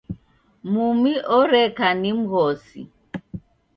Mumi oreka ni mghosi.